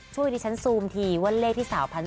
ช่วยดิฉันซูมทีว่าเลขที่สาวพันธุ์